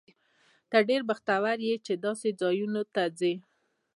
ته ډېر بختور یې، چې داسې ځایونو ته ځې.